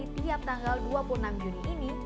setelah peningkatan keberadaan